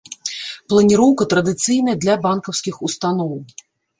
Планіроўка традыцыйная для банкаўскіх устаноў.